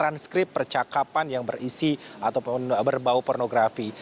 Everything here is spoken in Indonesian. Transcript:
transkripsi percakapan yang berisi atau berbau pornografi